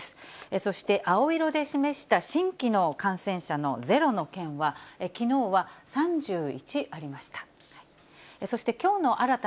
そして青色で示した新規の感染者の０の県は、きのうは３１ありました。